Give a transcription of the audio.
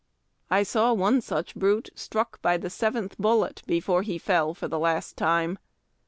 I saw one such brute struck by the seventh bullet before he fell for the last time.